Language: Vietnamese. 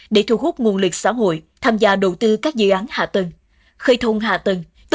để thu hút các dự án ppp